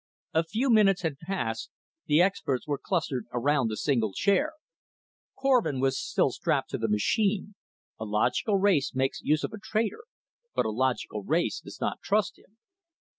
A few minutes had passed; the experts were clustered around the single chair. Korvin was still strapped to the machine; a logical race makes use of a traitor, but a logical race does not trust him.